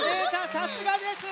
さすがです！